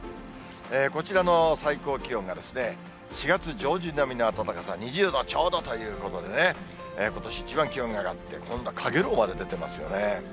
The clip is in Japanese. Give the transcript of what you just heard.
こちらの最高気温が４月上旬並みの暖かさ、２０度ちょうどということでね、ことし一番気温が上がって、今度はかげろうまで出ていますよね。